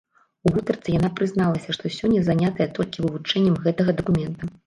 У гутарцы яна прызналася, што сёння занятая толькі вывучэннем гэтага дакумента.